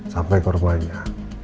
sampai ke rumahnya